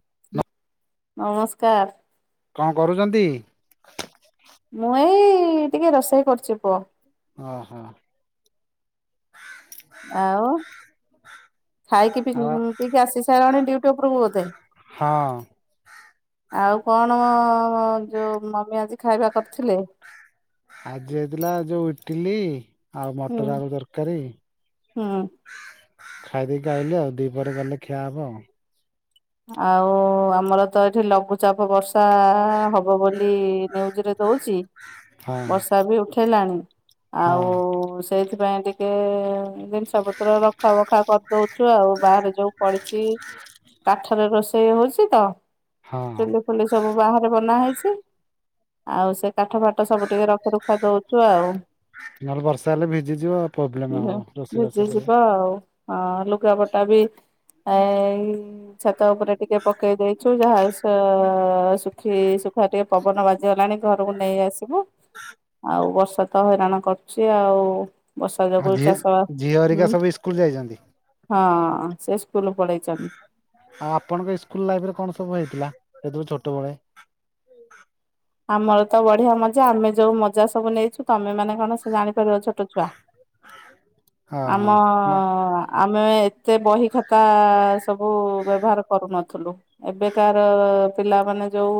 [unintelligible] ନମସ୍କାର। କଣ କରୁଛନ୍ତି? ମୁଁ ଏଇ ଟିକେ ରୋଷେଇ କରୁଛି ପୁଅ। ଓ ହୋ। ଆଉ ଖାଇକି ପିଇ ଆଉ ପିଇକି ଆସି ସାରିଲଣି ଡ଼ିଉ ଟି ଉପରକୁ ବୋଧେ। ହଁ ଆଉ କଣ ଯୋଉ ମମି ଆଜି ଖାଇବା କରିଥିଲେ? ଆଜି ହେଇଥିଲା ଯୋଉ ଇଟିଲି ଆଉ ହୁଁ ମଟର ଆଳୁ ଦରକାରୀ। ହୁଁ [inaudible] ଖାଇ ଦେଇକି ଆାଇଲି ଆଉ ଦି ପରେ ଗଲେ ଖିଆ ହବ ଆଉ। ଆଉ ଆମର ତ ଏଠି ଲଘୁଚାପ ବର୍ଷା ହ ହବ ବୋଲି ନିୟୁଜ ରେ ଦଉଛି ଆଉ ବର୍ଷା ବି ଉଠେଇଲାଣି। ଆଉ ହଁ ସେଇଥିପାଇଁ ଟିକେ ଜିନିଷ ପତ୍ର ରଖା ବଖା କରିଦଉଛୁ ଆଉ ବାହାରେ ଯୋଉ ପଡିଛି। କାଠରେ ରୋଷେଇ ହଉଛି ତ ହଁ ହଁ ଚୁଲି ଚୁଲି ସବୁ ବାହାରେ ବନା ହେଇଛି ଆଉ ସେ କାଠ ଫାଟ ସବୁ ଟିକେ ରଖା ରୁଖୀ କାଡି ଦଉଛୁ ଆଉ। ନହେଲେ ବର୍ଷା ହେଲେ ଭିଜିଯିବ ଆଉ ପ୍ରୋବ୍ଲେମ ହବ ରୋଷେଇ ବାଷ। ଯିବା ଆଉ। ହଁ ଲୁଗାପଟା ବି ଏଇ ଛାତ ଉପରେ ଟିକେ ପକେଇ ଦେଇଛୁ ଯାହା ସୁ ଖି ଶୁଖା ଟିକେ ପବନ ବାଜିଗଲାଣି ଘରକୁ ନେଇ ଆସିବୁ ଆଉ ବର୍ଷା ତ ହଇରାଣ କରୁଛି ଆଉ ବର୍ଷା ଆଉ ଯୋଗୁ ଝିଅ ଚାଷ ବା ଝିଅ ହେରିକା ହୁଁ ସବୁ ଇସ୍କୁଲ ଯାଇଛନ୍ତି ହଁ ସେ ସ୍କୁଲ ପଢେଇଛନ୍ତି। ଆଉ ଆପଣଙ୍କ ସ୍କୁଲ ଲାଇଫ ରେ କଣ ସବୁହେଇଥିଲା ସେତେବେଳେ ଛୋଟବେଳେ? ଆମର ତ ବଢିଆ ମଜା ଆମେ ଯୋଉ ମଜା ସବୁ ନେଇଛୁ ତମେ ମାନେ କଣ ସେ ଜାଣିପାରିବ ଛୋଟ ଛୁଆ ହଁ ହଁ ଆମ ମ ଆମେ ଏତେ ବହି ଖାତା ସବୁ ବ୍ୟବହାର କରୁନଥିଲୁ। ଏବେକାର ପିଲାମାନେ ଯୋଉ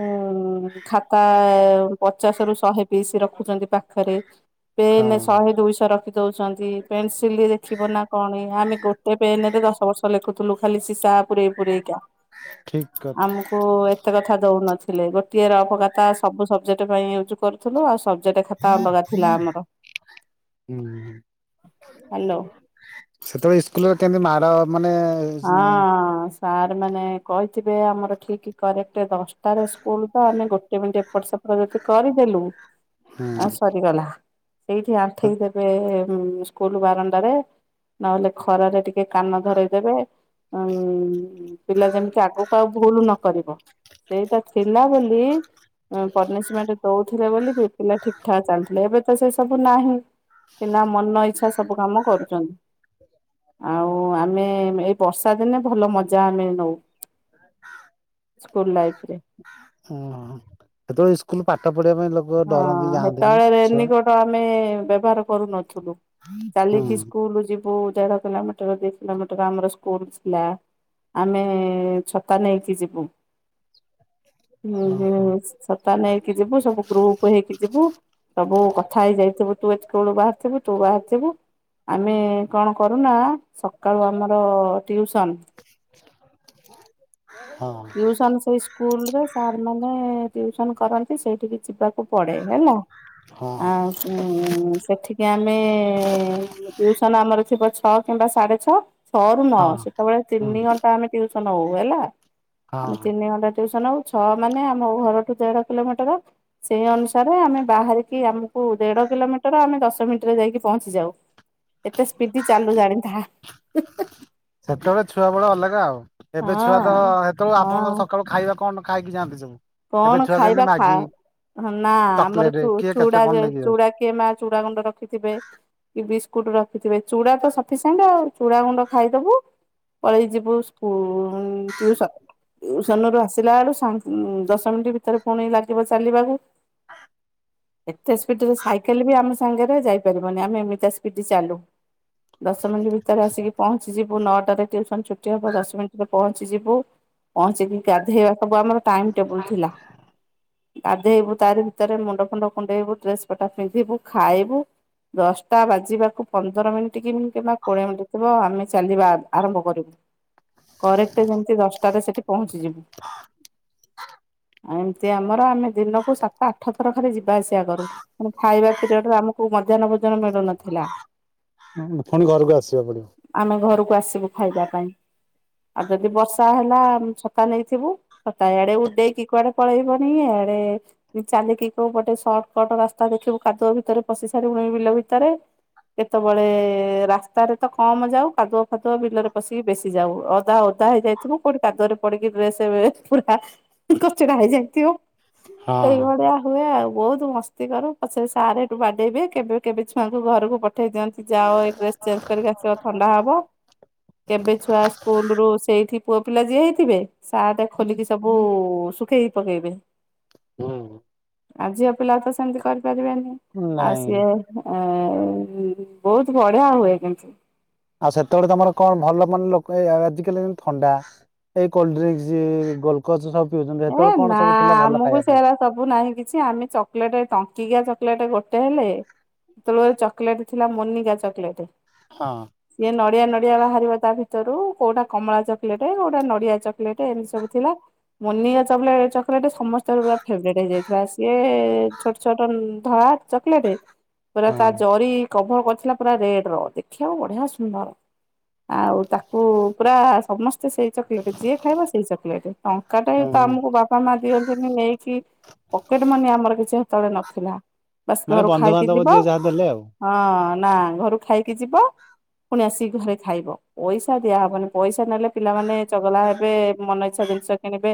ଉ ଖାତା। ପଚାଶ ରୁ ଶହେ ପିସ୍ ରଖୁଛନ୍ତି ପାଖରେ। ହଁ ପେନ୍ ଶହେ ଦୁଇଶହ ରଖି ଦଉଛନ୍ତି ପେନସିଲ ଦେଖିବ ନା କଣ ଆମେ। ସେ ପେନ୍ ରେ ଦଶ ବର୍ଷ ଲେଖୁଥିଲୁ ଖାଲି ସିଶା ପୁରେଇ ପୁରେଇକା। ଠିକ କଥା। ଆମକୁ ଏତେ କଥା ଦଉନଥିଲେ ଗୋଟିଏ ରଫ ଖାତା ସବୁ ସବଜେକ୍ଟ ପାଇଁ ୟୁଜ୍ କର ଥିଲୁ ଆଉ ସବଜେକ୍ଟ ଖାତା ଅଲଗା ଥିଲା ଆମର। ହୁଁ ହ୍ୟାଲୋ ସେତେବେଳେ ସ୍କୁଲରେ କେମତି ମାଡ ମାନେ। ହଁ ସାର୍ ମାନେ କହିଥିବେ ଆମର ଠିକ୍ କରେକ୍ଟ ଦଶଟାରେ ସ୍କୁଲ ତ ଆମେ। ଗୋଟେ ମିନିଟ ଏପଟ ସେପଟ ଯଦି କରିଦେଲୁ। ଆ ସରିଗଲା ସେଇଠି ହୁଁ ଆଣ୍ଠେଇ ଦେବେ। ସ୍କୁଲ ବାରଣ୍ଡାରେ ନହେଲେ ଖରାରେ ଟିକେ କାନ ଧରଇଦେବେ। ଉ ପିଲା ଯେମିତି ଆଗକୁ ଆଉ ଭୁଲ ନ କରିବ। ସେଇଟା ଥିଲା ବୋଲି ପନିସମେଣ୍ଟ ଦଉ ଥିଲେ ବୋଲି ବି ପିଲା ଠିକ ଠାକ ଚାଲିଥିଲେ ଏବେ ତ ସେ ସବୁ ନାହିଁ। ପିଲା ମନ ଇଚ୍ଛା ସବୁ କାମ କରୁଛନ୍ତି ଆଉ ଆମେ। ବର୍ଷା ଦିନେ ଭଲ ମଜା ଆମେ ନଉ। ସ୍କୁଲ ଲାଇଫ ରେ। ଓ ସେତେବେଳେ ସ୍କୁଲ ପାଠ ପଢିବା ପାଇଁ ଲୋକ ଡରନ୍ତି ଯାଆନ୍ତିନି ଛୁଆ। ତ ଆମେ ବ୍ୟବହାର କରୁନଥିଲୁ ହୁଁ ଚାଲିକି ସ୍କୁଲ ଯିବୁ। ଦେଢ କିଲୋମିଟର ଦି କିଲୋମିଟର ଆମର ସ୍କୁଲ ଥିଲା। ଆମେ ଛତା ନେଇକି ଯିବୁ। ହୁଁ ଓହୋ ହୁଁ ଛତା ନେଇକି ଯିବୁ ସବୁ ଗ୍ରୁପ ହେଇକି ଯିବୁ ସବୁ କଥା ହେଇଯାଇଥିବୁ ତୁ ଏଠି କଳୁ ବାହାରିଥିବୁ ତୁ ଆସିବୁ। ଆମେ କଣ କରୁନା ସକାଳୁ ଆମର ଟିଉସନ। ହଁ ଟ୍ୟୁସନ୍ ସେଇ ସ୍କୁଲରେ ସାର୍ ମାନେ ଟ୍ୟୁସନ୍ କରନ୍ତି ସେଇଠିକି ଯିବାକୁ। ପଡେ ହେଲା ହଁ ଆଉ ସେଠିକି ଆମେ ଟ୍ୟୁଉସନ ଆମର ଥିବ ଛଅ କିମ୍ବା ସାଢେ ଛଅ। ଛଅ ରୁ ନ ହଁ ସେତେବେଳେ ହୁଁ ତିନି ଘଣ୍ଟା ଆମେ ଟିଉସନ ହଉ ହେଲା। ଆମେ ହଁ। ତିନି ଘଣ୍ଟା ଟୁସନ ହୋଊ ଆ ଛଅ ମାନେ ଆମ ଘରଠୁ ଦେଢ କିଲୋମିଟର। ସେଇ ଅନୁସାରେ ଆମେ ବାହାରିକି ଆମକୁ ଦେଢ କିଲୋମିଟର ଆମେ ଦଶ ମିନିଟରେ ଯାଇକି ପହଞ୍ଚି ଯାଉ। ଏତେ ସ୍ପିଡି ଚାଲୁ ଜାଣିଥା। ସେତେବେଳେ ଛୁଆ ବେଳେ ଅଲଗା ଆଉ ଏବେ ଛୁଆ ତ ହଁ ସେତେବେଳେ ଆପଣଙ୍କର ହଁ ସକାଳୁ ଖାଇବା କଣ? ଖାଇକି ଯାଆନ୍ତି ସବୁ। ଏବେ କଣ ଛୁଆ ଯେମିତି ଖାଇବା ଖ ମ୍ୟାଗି ନା ଆମର ଚକୋଲେଟ ଚୁ କିଏ କେତେ ଚୁଡା କଣ ନେଇକି ଯାଉଛି କିଏ ମା ଚୁଡ଼ା ଗୁଣ୍ଡ ରଖିଥିବେ। କି ବିସ୍କୁଟ ରଖିଥିବେ ଚୁଡା ତ ସଫିସିଣ୍ଟ ଆଉ ଚୁଡା ଗୁଣ୍ଡ ଖାଇଦବୁ। ପଳେଇ ଯିବୁ ସ୍କୁସନ ଟୁସନ ରୁ ଆସିଲା ବେଳୁ ଦଶ ମିନିଟ ଭିତରେ ପୁଣି ଲାଗିବ ଚାଲିବାକୁ। ଏତେ ସ୍ପିଡ ରେ ସାଇକେଲ ବି ଆମ ସାଙ୍ଗରେ ଯାଇପାରିବନି ଆମେ ଏମିତି ସ୍ପିଡ ଚାଲୁ। ଦଶ ମିନିଟ୍ ଭିତରେ ଆସିକି ପହଞ୍ଚିଯିବୁ ନଅଟାରେ ଟ୍ୟୁସନ ଛୁଟି ହବ ଦଶ ମିନିଟ୍ ପହଞ୍ଚି ଯିବୁ ପହଞ୍ଚିକି ଗାଧେଇବା ସବୁ ଆମର ଟାଇମ ଟେବୁଲ ଥିଲା। ଗାଧେଇବୁ ତାରି ଭିତରେ ମୁଣ୍ଡ ଫୁଣ୍ଡ କୁଣ୍ଡେଇବୁ, ଡ୍ରେସ ପଟା ପିନ୍ଧିବୁ, ଖାଇବୁ ଦଶଟା ବାଜିବାକୁ ପନ୍ଦର ମିନିଟ୍ କି କିମ୍ବା କୋଡ଼ିଏ ମିନିଟ୍ ଥିବ ଆମେ ଚାଲିବା ଆ ଆରମ୍ଭ କରିବୁ। କରେକ୍ଟ ଯେମିତି ଦଶଟାରେ ସେଠି ପହଞ୍ଚିଯିବୁ। ହଁ [inaudible] ଏମିତି ଆମର ଆମେ ଦିନକୁ ସାତ, ଆଠ ଥର ଖାଲି ଯିବାଆସିବା କରୁ। ମ ଖାଇବା ପିରିୟଡରେ ଆମକୁ ମଧ୍ୟାହ୍ନ ଭୋଜନ ମିଳୁନଥିଲା। ଉଁ ପୁଣି ଘରକୁ ଆସିବାକୁ ପଡିବ। ଆମେ ଘରକୁ ଆସିବୁ ଖାଇବା ପାଇଁ ଆଉ ଯଦି ବର୍ଷା ହେଲା ଆମେ ଛତା ନେଇଥିବୁ। ଛତା ଇଆଡେ ଉଡେଇକି କୁଆଡେ ପଳେଇବଣୀ ଇଆଡେ ଚାଲିକି କୋଉ ଗୋଟେ ସର୍ଟ କଟ ରାସ୍ତା ଦେଖିବୁ କାଦୁଅ ଭିତରେ ପଶି ସାରିବୁଣି ବିଲ ଭିତରେ। କେତେବେଳେ ରାସ୍ତାରେ ତ କମ ଯାଉ କାଦୁଅ ଫାଦୁଅ ବିଲରେ ପଶିକି ବେଶି ଯାଉ ଅଧା ଓ ଦା ହେଇଯାଇଥିବୁ କୋଉଠି କାଦୁଅରେ ପଡିକି ଡ୍ରେସ ପୁରା କଚଡା ହେଇଯାଇଥିବ ହଁ ଏଇଭଳିଆ। ହୁଏ ଆଉ ବହୁତ ମସ୍ତି କରୁ ପଛରେ ସାର ହେଠୁ ବାଡେଇବେ କେବେ କେବେ ଛୁଆଙ୍କୁ ଘରକୁ ପ ଉଠେଇ ଦିଅନ୍ତି ଯାଅ ଏଇ ଡ୍ରେସ ଚେଞ୍ଜ କରିକି ଆସିବ ଥଣ୍ଡା ହବ। କେବେ ଛୁଆ ସ୍କୁଲ ରୁ ସେଇଠି ପୁଅ ପିଲା ଯିଏ ହେଇଥିବେ ସାଟେ ଖୋଲିକି ସବୁ କୁ ଶୁଖେଇ ପକେଇବେ। ହୁଁ ଆ ଝିଅ ପିଲା ତ ସେମିତି କରିପାରିବେନି। ଆଉ ନାଇଁ। ସିଏ ଏ ବହୁତ ବଢିଆ ହୁଏ କିନ୍ତୁ। ଆଉ ସେତେବେଳେ ତମର କଣ ଭଲ ମାନେ ଲୋକ ଏ ଆଜିକାଲି ଯେନ୍ତି ଥଣ୍ଡା ଏଇ କୋଲ୍ଡଡ୍ରିଙ୍କଶ୍, ଗୋଲକଚ ସବୁ ପିଉଛନ୍ତି ଏ ସେତେବେଳେ ନା କଣ ସବୁ ଥିଲା ଭଲ ଆମକୁ ଖାଇବା ପାଇଁ? ସେରା ସବୁ ନାହିଁ କିଛି ଆମେ ଚକଲେଟ ଟଙ୍କିକିଆ ଚକଲେଟ ଗୋଟେ ହେଲେ ସେତେବେଳେ ଗୁରେ ଚକୋଲେଟ ଥିଲା ମୋନିକା ଚକୋଲେଟ। ହଁ। ଇଏ ନଡିଆ ନଡିଆ ବାହାରିବ ତା ଭିତରୁ କୋଉଟା କମଳା ଚକଲେଟ କୋଉଟା ନଡିଆ ଚକୋଲେଟ ଏମିତି ସବୁ ଥିଲା। ମନିକା ଚକଲେ ଚକୋଲେଟ୍ ସମସ୍ତଙ୍କର ପୁରା ଫେଭରେଟ୍ ହେଇଯାଇଥିଲା ସିଏ ଛୋଟ ଛୋଟ ଧଳା ଚକଲେଟ ପୁରା ହଁ। ତା ଜରି କଭର କରିଥିଲା ପୁରା ରେଡ ର ଦେଖିବାକୁ ବଢିଆ ସୁନ୍ଦର। ଆଉ ତାକୁ ପୁରା ସମସ୍ତେ ସେଇ ଚକୋଲେଟ ଯିଏ ଖାଇବ ସେଇ ଚକୋଲେଟ। ଟଙ୍କାଟାଏ ହୁଁ ତ ହୁଁ ଆମକୁ ବାପ ବାପା ମା ଦିଅନ୍ତିନି ନେଇକି ପକେଟ ମନି ଆମର କିଛି ସେତେବେଳେ ନଥିଲା। ବାସ ମାନେ ଘରୁ ଖାଇକି ବନ୍ଧୁବାନ୍ଧବ ଯିବ ଯିଏ ଯାହା ଦେଲେ ଆଉ। ହଁ ନା ଘରୁ ଖାଇକି ଯିବ ପୁଣି ଆସିକି ଘରେ ଖାଇବ। ପଇସା ଦିଆହବନି ପଇସା ନେଲେ ପିଲାମାନେ ଚଗଲା ହେବେ ମନ ଇଚ୍ଛା ଜିନିଷ କିଣିବେ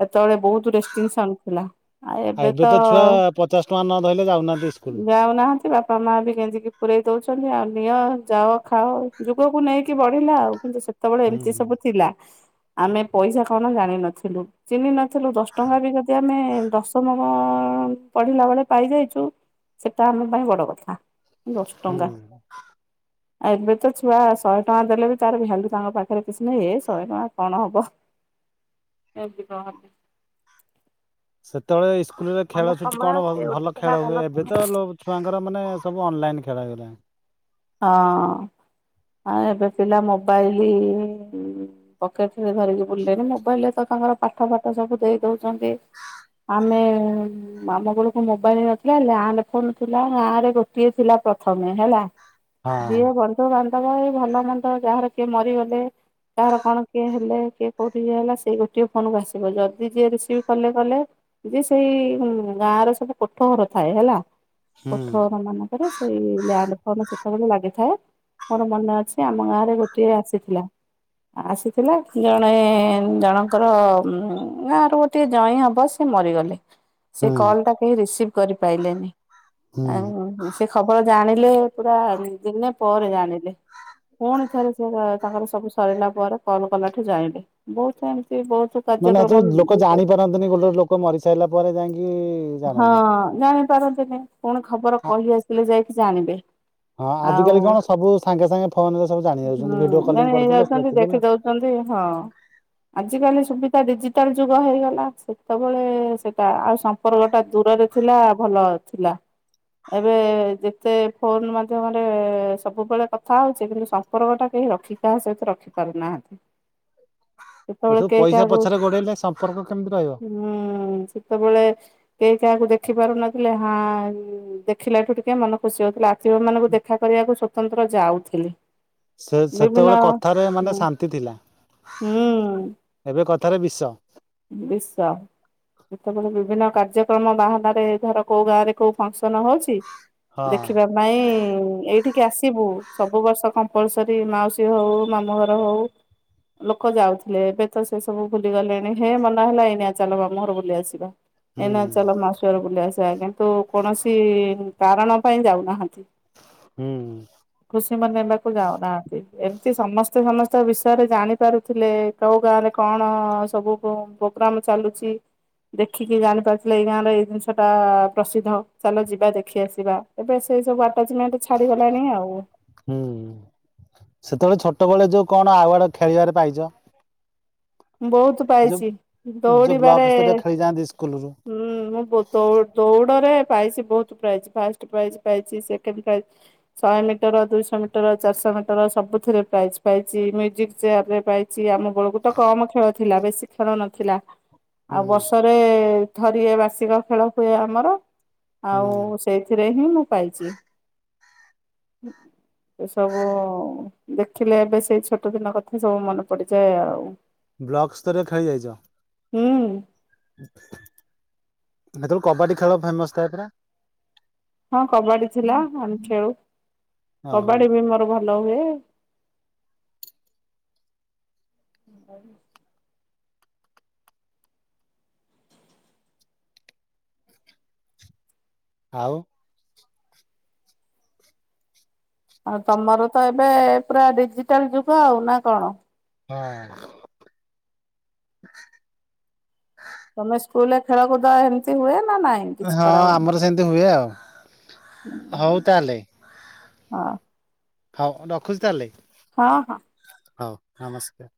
ହେତେବେଳେ ବହୁତ ରେଷ୍ଟିଗେସନ ଥିଲା। ଆଉ ଏବେ ତ ଛୁଆ ପଚାଶ ଟଙ୍କା ନ ଧଇଲେ ଯାଉନାହାନ୍ତି ସ୍କୁଲ ଯାଉନାହାନ୍ତି ବାପ ବାପା ମାଆ ବି ଗେଞ୍ଜିକି ପୁରେଇ ଦେଉଛନ୍ତି ଆଉ ନିଅ ଯାଅ ଖାଅ ଯୁଗକୁ ନେଇକି ବଢିଲା ଆଉ କିନ୍ତୁ ସେ ସେତେବେଳେ ହୁଁ ଏମିତି ହୁଁ। ସବୁ ଥିଲା ଆମେ ପଇସା କଣ ଜାଣିିନଥିଲୁ ଚିହ୍ନି ନ ଥିଲୁ ଦଶ ଟଙ୍କା ବି ଯଦି ଆମେ ଦଶମ ପଢିଲା ବେଳେ ପାଇଯାଇଛୁ ସେଟା ଆମ ପାଇଁ ବଡ କଥା ଦଶ ଟଙ୍କା। ହୁଁ। ଆଉ ଏବେ ତ ଛୁଆ ଶହେ ଟଙ୍କା ଦେଲେ ବି ତାର ଭ୍ୟାଲୁ ତାଙ୍କ ପାଖରେ କିଛି ନାହିଁ ଏ ଶହେ ଟଙ୍କା କଣ ହବ। ଏମତି କହନ୍ତି। ସେତେବେଳେ ଇସ୍କୁଲରେ ଆମ ଖେଳ ଛୁଟି ସମୟ କଣ ଭ ସେ ଗୋଟେ ଭଲ ଥିଲା ଖେଳ ହୁଏ ଏବେ ସମୟ ତ ଛୁଆଙ୍କର ମାନେ ସବୁ ଅନଲାଇନ୍ ଖେଳ ହେଇଗଲାଣି। ହଁ ଆଉ ଏବେ ପିଲା ମୋବାଇଲ ପକେଟରେ ଧରିକି ବୁଲିଲେଣି ମୋବାଇଲ ରେ ତ ତାଙ୍କର ପାଠ ଫାଠ ସବୁ ଦେଇ ଦଉଛନ୍ତି। ଆମେ ଆମ ବେଳକୁ ମୋବାଇଲ ନଥିଲା ଲ୍ୟାଣ୍ଡ ଫୋନ ଥିଲା ଗାଁ ରେ ଗୋଟିଏ ଥିଲା ପ୍ରଥମେ ହେଲା। ହଁ ଯିଏ ବନ୍ଧୁବାନ୍ଧବ ଏ ଭଲ ମନ୍ଦ ଯାହାର କିଏ ମରିଗଲେ କାହାର କଣ କିଏ ହେଲେ କିଏ କୋଉଠି ଏ ହେଲା ସେଇ ଗୋଟିଏ ଫୋନ କୁ ଆସିବ ଯଦି ଯିଏ ରିସିଭ କଲେ କଲେ ଯେ ସେଇ ଗାଁ ର ସବୁ କୋଠ ଘର ଥାଏ ହେଲା। କୋଠର ହୁଁ। ଘର ମାନଙ୍କରେ ସେଇ ଲ୍ୟାଣ୍ଡ ଫୋନ ସେତେବେଳେ ଲାଗିଥାଏ ମୋର ମନେ ଅଛି ଆମ ଗାଁ ରେ ଗୋଟିଏ ଆସିଥିଲା। ଆସିଥିଲା ଜଣେ ଜଣଙ୍କର ଗାଁ ର ଗୋଟେ ଟେ ଜଇଁ ହବ ସେ ମରିଗଲେ। ସେ ହୁଁ କଲ୍ ଟା କେହି ରିସିଭ କରିପାରଲେନି ହୁଁ। ଆଉ ସେ ଖବର ଜାଣିଲେ ପୁରା ଦିନେ ପରେ ଜାଣିିଲେ। ପୁଣି ଥରେ ସେ ତାଙ୍କର ସବୁ ସରିଲା ପରେ କଲ କଲାଠୁ ଯାଇଲେ ବହୁତ ଏମିତି ବହୁତ ମାନେ କାର୍ଯ୍ୟକ୍ରମ ଅଛି ଲୋକ ଜାଣିପାରନ୍ତିନି ଗୋଟେ ଲୋକ ମରିସାରିଲା ପରେ ଯାଇକି ଜାଣନ୍ତି। ହଁ [unintelligible] ପାରନ୍ତିନି ପୁଣି ଖବର ହଁ କହି ଆସିଲେ ଯାଇକି ଜାଣିବେ। ହଁ ଆଉ ଆଜିକାଲି କଣ ସବୁ ସାଙ୍ଗେ ସାଙ୍ଗେ ଫୋନ ରେ ସବୁ ଜାଣି ଯାଉଛନ୍ତି ଭିଡିଓ କଲିଂ କରିଦେଲେ ଦେଖିଦେଲେ। ଛନ୍ତି ହଁ। ଆଜିକାଲି ସୁବିଧା ଡିଜିଟାଲ ଯୁଗ ହେଇଗଲା ସେତେବେଳେ ସେଇଟା ଆଉ ସମ୍ପର୍କ ଟା ଦୂରରେ ଥିଲା ଭଲ ଥିଲା ଏବେ ଯେତେ ଫୋନ ମ ମଧ୍ୟମରେ ସବୁବେଳେ କଥା ହଉଛେ କିନ୍ତୁ ସମ୍ପର୍କ ଟା କେହି ରଖି କାହା ସହିତ ରଖି ପାରୁନାହାନ୍ତି। [inaudible] ଏ ସବୁ କେହି ପଇସା କାହାକୁ ପଛରେ ଗୋଡେଇଲେ ସମ୍ପର୍କ କେମିତି ରହିବ। ହୁଁ ସେତେବେଳେ କେହି କାହାକୁ ଦେଖି ପାରୁନଥିଲେ ହଁ ଦେଖିଲା ଠୁ ଟିକେ ମନ ଖୁସି ହଉଥିଲା ଆ ଝିଅମାନଙ୍କୁ ଦେଖା କରିବାକୁ ସ୍ଵତନ୍ତ୍ର ଯାଉଥିଲେ। ସେ ସେତେବେଳେ କଥାରେ ମାନେ ଶାନ୍ତି ଥିଲା ଏବେ କଥାରେ ବିଷ। ବିଷ। ସେତେବେଳେ ବିଭିନ୍ନ କାର୍ଯ୍ୟକ୍ରମ ବାହାନାରେ ଧର କୋଉ ଗାଁ ରେ କୋଉ ଫଙ୍କସନ ହଉଛି ହଁ ଦେଖିବାକୁ ନାଇଁ ଏଇଠିକି ଆସିବୁ ସବୁ ବର୍ଷ କମ୍ପଲସରୀ ମାଉସୀ ହଉ ମାମୁଁ ଘର ହଉ ଲୋକ ଯାଉଥିଲେ ଏବେ ତ ସେ ସବୁ ଭୁଲିଗଲେଣି ହେ ମନ ହେଲା ଏଇନା ଚାଲ ମାମୁଁ ଘର ବୁଲି ଆସିବା। ହୁଁ ଏଇନା ଚାଲ ମାଉସୀ ଘର ବୁଲି ଆସିବା କିନ୍ତୁ କୌଣସି କାରଣ ପାଇଁ ଯାଉନାହାନ୍ତି। [unintelligible] ହୁଁ। ଖୁସି ମନେଇବାକୁ ଯାଉନାହାନ୍ତି। ଏମିତି ସମସ୍ତେ ସମସ୍ତ ବିଷୟରେ ଜାଣି ପାରୁଥିଲେ କୋଉ ଗାଁରେ କଣ ସବୁ ପୋଗ୍ରାମ ଚାଲୁଛି। ଦେଖିକି ଜାଣିପାରୁଥିଲେ ଏଇ ଗାଁରେ ଏଇ ଜିନିଷ ଟା ପ୍ରସିଦ୍ଧ ଚାଲ ଯିବା ଦେଖି ଆସିବା ଏବେ ସେଇ ସବୁ ଆଟାଚମେଣ୍ଟ ଛାଡିଗଲାଣି ଆଉ। ହୁଁ ସେତେବେଳେ ଛୋଟବେଳେ ଯୋଉ କଣ ଆୱାର୍ଡ ଖେଳିବାରେ ପାଇଛ? ବହୁତ ଯୋଉ ପାଇଛି ଯୋଉ ବ୍ଲକ ଦୌଡ଼ିବାରେ ସ୍ତରୀୟ ଖେଳି ଯାଆନ୍ତି ସ୍କୁଲରୁ ହୁଁ। ମୁଁ ଦୋ ଦୋ ଦୌଡ଼ରେ ପାଇଛି ବହୁତ ପ୍ରାଇଜ ଫାଷ୍ଟ ପ୍ରାଇଜ ପାଇଛି ସେକେଣ୍ଡ ପ୍ରାଇଜ୍ ଶଏ ମିଟର ଦୁଇଶ ମିଟର ଚାରିଶ ମିଟର ସବୁଥିରେ ପ୍ରାଇଜ ପାଇଚି ମ୍ୟୁଜିକ ଚେୟାର ରେ ପାଇ ଚି ଆମ ବେଳକୁ ତ କମ ଖେଳ ଥିଲା ବେଶି ଖେଳ ନଥିଲା ହୁଁ ଆଉ ବର୍ଷ ରେ ଥରିଏ ବାର୍ଷିକ ଖେଳ ହୁଏ ଆମର ହୁଁ ଆଉ ସେଇଥିରେ ହିଁ ମୁଁ ପାଇଚି। ଏ ସବୁ ଉଁ ଦେଖିଲେ ଏବେ ସେଇ ଛୋଟ ଦିନ କଥା ସବୁ ମନେ ପଡିଯାଏ ଆଉ। ବ୍ଲକ୍ ସ୍ତରରେ ଖାଇ ଯାଈଚ? ହୁଁ। [inaudible] ସେତବେଳୁ କବାଡି ଖେଳ ଫେମସ ଥାଏ ପରା ହଁ କବାଡି ଥିଲା ଆମେ ଖେଳୁ ଓହୋ କବାଡି ବି ମୋର ଭଲ ହୁଏ। [inaudible] ଆଉ ଆଉ ତମର ତ ଏବେ ପୁରା ଡିଜିଟାଲ ଯୁଗ ଆଉ ନା କଣ? ହଁ। ତମେ ସ୍କୁଲରେ ଖେଳକୁଦା ଏମିତି ହୁଏ ନା ନାଇଁ? କିଛି ହଁ କରାହୁଏନି? ଆମର ସେମିତି ହୁଏ ଆଉ ହଉ ତାଏଲେ ହଁ। ହଉ ରଖୁଚି ତାହେଲେ। ହଁ ହଁ। ହଉ ନମସ୍କାର।